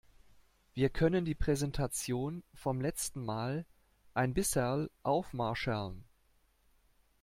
Wir können die Präsentation vom letzen Mal ein bisserl aufmascherln.